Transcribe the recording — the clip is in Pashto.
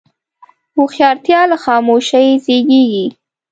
هوښیارتیا له خاموشۍ زیږېږي.